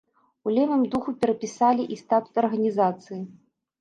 У левым духу перапісалі і статут арганізацыі.